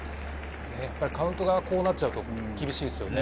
やはりカウントがこうなっちゃうと厳しいですよね。